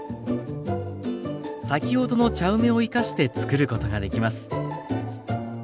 先ほどの茶梅を生かしてつくることができます。